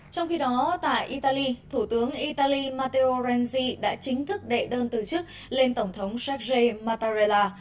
trong khi đó tại italy thủ tướng italy mattorenji đã chính thức đệ đơn từ chức lên tổng thống sergei mattarella